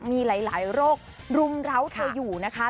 มีหลายโรครุมร้าวเธออยู่นะคะ